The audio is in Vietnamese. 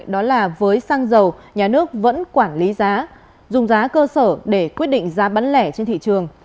đó là với xăng dầu nhà nước vẫn quản lý giá dùng giá cơ sở để quyết định giá bán lẻ trên thị trường